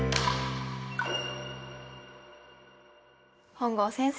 本郷先生。